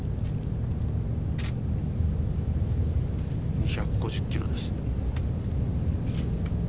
２５０キロです。